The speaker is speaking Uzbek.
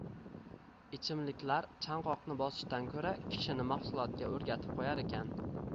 ichimliklar chanqoqni bosishdan ko‘ra kishini mahsulotga o‘rgatib qo‘yar ekan